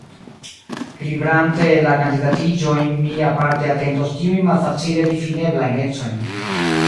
Kribrante la kandidatiĝojn, mi aparte atentos tiujn malfacile difineblajn ecojn.